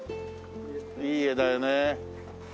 いい画だよね。